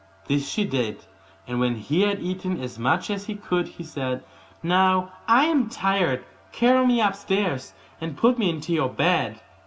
This she did, and when he had eaten as much as he could, he said, 'Now I am tired; carry me upstairs, and put me into your bed.